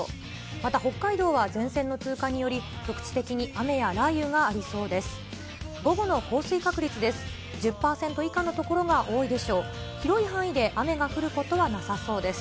また北海道は前線の通過により、局地的に雨や雷雨がありそうです。